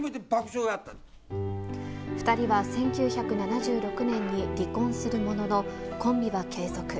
２人は１９７６年に離婚するものの、コンビは継続。